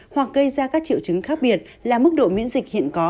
hoặc gây ra các triệu chứng khác biệt là mức độ miễn dịch hiện có